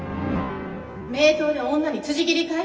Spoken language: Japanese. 名刀で女につじ斬りかい？